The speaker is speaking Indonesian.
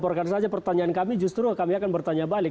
laporkan saja pertanyaan kami justru kami akan bertanya balik